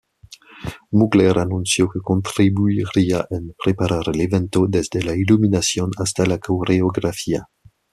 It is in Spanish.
Mugler anunció que contribuiría en preparar el evento, desde la iluminación hasta la coreografía.